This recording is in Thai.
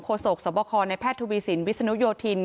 โศกสวบคในแพทย์ทวีสินวิศนุโยธิน